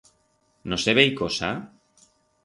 No se vei cosa?